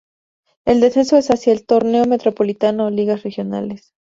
El descenso es hacia el Torneo Metropolitano o Ligas Regionales.